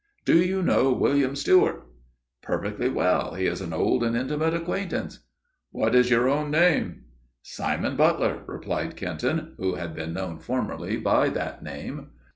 "Do you know William Stewart?" "Perfectly well; he is an old and intimate acquaintance." "What is your own name?" "Simon Butler!" replied Kenton, who had been known formerly by that name.